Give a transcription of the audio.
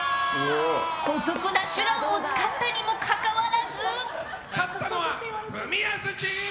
姑息な手段を使ったにもかかわらず。